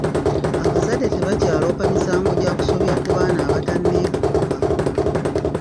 Abazadde tebakyaloopa misango gya kusobya ku baana abatanneetuuka.